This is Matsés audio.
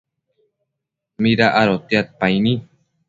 mida adotiadpaini